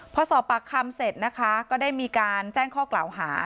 พอสอบปากคำเสร็จนะคะก็ได้มีการแจ้งข้อกล่าวหา